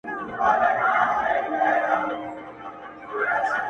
هره ورځ نوې خبرونه خپرېږي